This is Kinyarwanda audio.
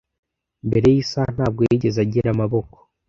Mbere yisaha ntabwo yigeze igira amaboko